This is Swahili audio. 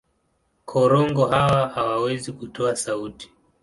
Korongo hawa hawawezi kutoa sauti.